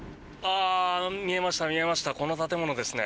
見えました、見えましたこの建物ですね。